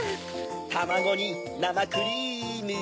たまごになまクリーム